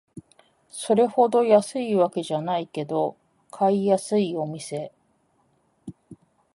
それほど安いわけじゃないけど買いやすいお店